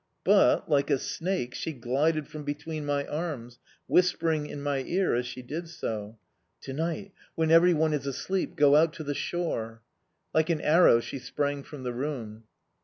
But, like a snake, she glided from between my arms, whispering in my ear as she did so: "To night, when everyone is asleep, go out to the shore." Like an arrow she sprang from the room.